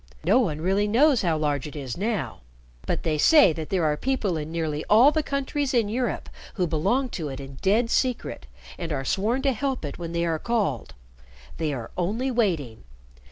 No one really knows how large it is now, but they say that there are people in nearly all the countries in Europe who belong to it in dead secret, and are sworn to help it when they are called. They are only waiting.